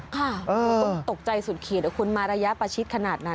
คนตกใจสุดขีดคุณมาระยะประชิดขนาดนั้น